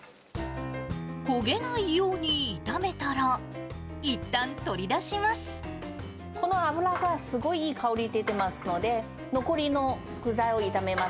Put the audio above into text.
焦げないように炒めたら、この油がすごいいい香り出てますので、残りの具材を炒めます。